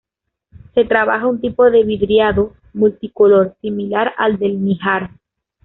Se trabaja un tipo de vidriado multicolor, similar al de Níjar.